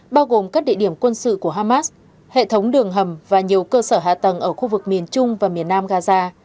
bao gồm các địa điểm quân sự của hamas hệ thống đường hầm và nhiều cơ sở hạ tầng ở khu vực miền trung và miền nam gaza